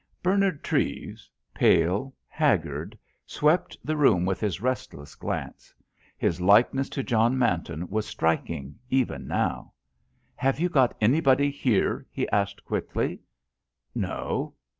Bernard Treves, pale, haggard, swept the room with his restless glance. His likeness to John Manton was striking even now. "Have you got anybody here?" he asked quickly. "No."